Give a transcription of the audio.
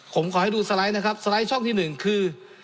ผมขอให้ดูสไลด์นะครับสไลด์ช่องที่หนึ่งคือ